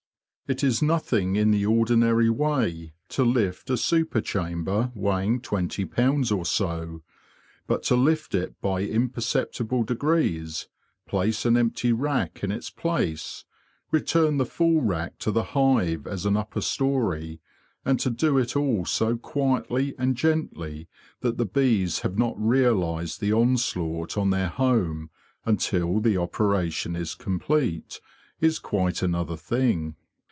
It is nothing in the ordinary way to lift a super chamber weighing twenty pounds or so. But to lift it by imperceptible degrees, place an empty rack in its place, return the full rack to the hive as an upper story, and to do it all so quietly and gently that the bees have not realised the onslaught on their home until the operation is complete, is quite another thing.